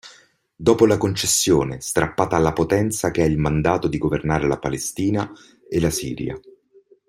Dopo la concessione strappata alla Potenza che ha il mandato di governare la Palestina e la Siria.